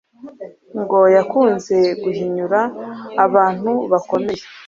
ngo yakunze guhinyura abantu bakomeye